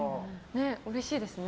うれしいですね。